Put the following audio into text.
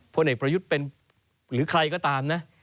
พลเอกประยุทธ์เป็นหรือใครก็ตามนะ